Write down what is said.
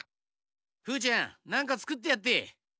フーちゃんなんかつくってやって。